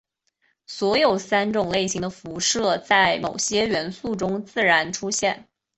所有三种类型的辐射在某些元素中自然出现。